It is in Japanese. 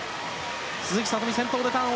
鈴木聡美、先頭でターン。